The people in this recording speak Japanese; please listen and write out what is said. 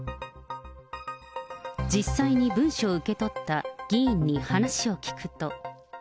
実際に文書を受け取った議員に話を聞くと。